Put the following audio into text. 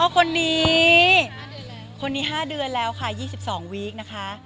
คนนี้คนนี้๕เดือนแล้วค่ะ๒๒วีคนะคะ